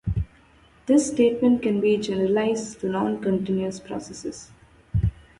This statement can be generalized to non-continuous processes.